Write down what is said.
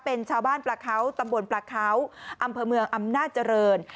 เป็นชาวบ้านปลาเขาตำบลปลาเขาอำเภอเมืองอำนาจเจริญ